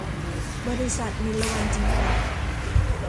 บริษัท นิลวรรณ จำกัด